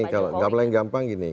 kalau ini kalau yang gampang gini